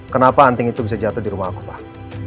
kenapa anting itu bisa jatuh di rumah aku pak